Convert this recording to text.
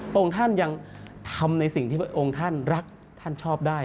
องค์ท่านยังทำในสิ่งที่พระองค์ท่านรักท่านชอบได้